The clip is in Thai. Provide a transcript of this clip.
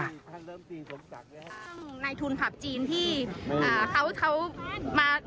ในทุนพลับจีนที่เขามาบริจาคเงิน